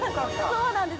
◆そうなんです。